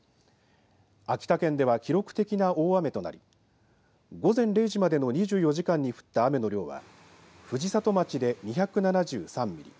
秋田県では記録的な大雨となり午前０時までに降った雨の量は藤里町で２７３ミリ